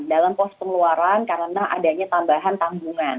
dalam pos pengeluaran karena adanya tambahan tanggungan